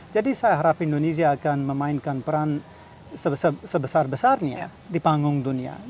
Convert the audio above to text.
jadi saya harap indonesia akan memainkan peran sebesar besarnya di panggung dunia